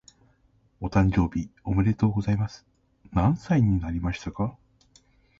お誕生日おめでとうございます。何歳になりましたか？